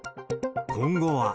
今後は。